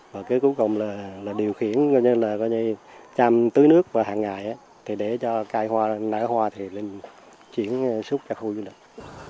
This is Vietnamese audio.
và cuối cùng là điều khiển chăm tưới nước vào hàng ngày để cho cây nở hoa chuyển xuất ra khu du lịch